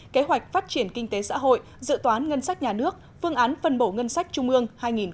kế hoạch phát triển kinh tế xã hội dự toán ngân sách nhà nước phương án phân bổ ngân sách trung ương hai nghìn hai mươi